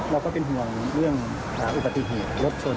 เราก็เป็นห่วงเรื่องอุปถิษฐ์รถชน